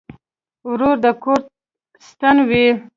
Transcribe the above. ورور د کور ستن وي.